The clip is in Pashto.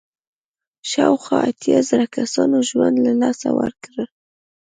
شاوخوا اتیا زره کسانو ژوند له لاسه ورکړ.